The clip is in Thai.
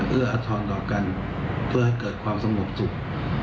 เอื้ออาทรต่อกันเพื่อให้เกิดความสงบสุข